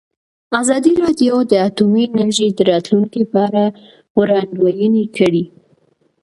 ازادي راډیو د اټومي انرژي د راتلونکې په اړه وړاندوینې کړې.